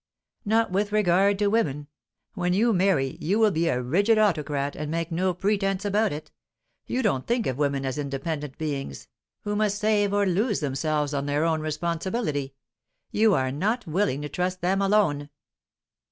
"Not with regard to women. When you marry, you will be a rigid autocrat, and make no pretence about it. You don't think of women as independent beings, who must save or lose themselves on their own responsibility. You are not willing to trust them alone."